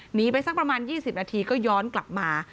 หนีไปสักประมาณ๒๐นาทีก็ย้อนกลับมา